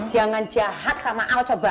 jangan jahat sama allah coba